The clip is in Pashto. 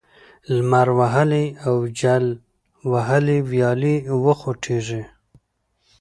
لمر وهلې او جل وهلې ويالې به وخوټېږي،